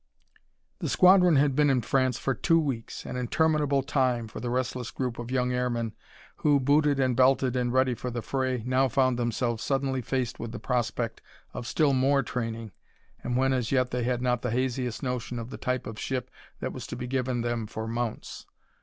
The squadron had been in France for two weeks, an interminable time to the restless group of young airmen who, booted and belted and ready for the fray, now found themselves suddenly faced with the prospect of still more training and when as yet they had not the haziest notion of the type of ship that was to be given them for mounts.